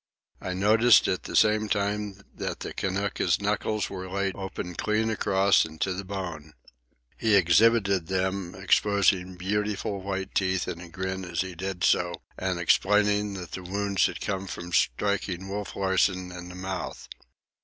I noticed at the same time that the Kanaka's knuckles were laid open clear across and to the bone. He exhibited them, exposing beautiful white teeth in a grin as he did so, and explaining that the wounds had come from striking Wolf Larsen in the mouth.